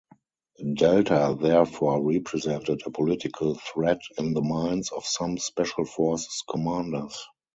Delta therefore represented a political threat in the minds of some Special Forces commanders.